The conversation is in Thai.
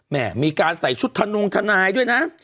มีการใส่ชุดทะนงทนายด้วยนะ